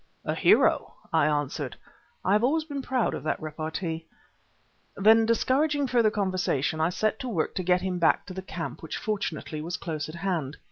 "A hero," I answered. (I have always been proud of that repartee.) Then, discouraging further conversation, I set to work to get him back to the camp, which fortunately was close at hand.